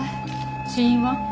死因は？